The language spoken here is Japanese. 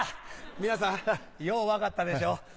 皆さんよう分かったでしょ？